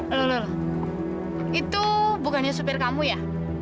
loh itu bukannya supir kamu ya